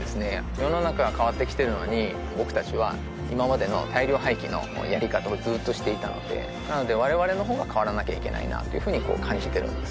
世の中は変わってきてるのに僕達は今までの大量廃棄のやり方をずーっとしていたのでなので我々の方が変わらなきゃいけないなというふうに感じてるんです